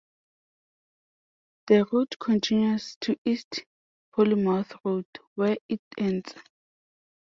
The road continues to East Plymouth Road, where it ends.